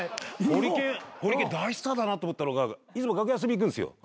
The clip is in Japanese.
ホリケン大スターだなと思ったのがいつも楽屋遊びに行くんすよ。